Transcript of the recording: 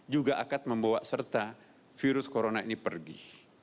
juga akan membawa serta virus corona ini pergi